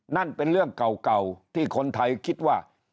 นั่นเป็นเรื่องเก่าที่คนไทยคิดว่า